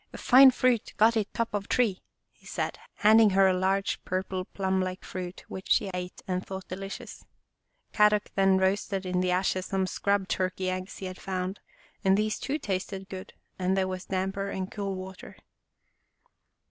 11 Fine fruit, got it top of tree," he said, hand ing her a large purple, plum like fruit which she ate and thought delicious. Kadok then roasted in the ashes some scrub turkey eggs he had found, and these too tasted good, and there was damper and cool water.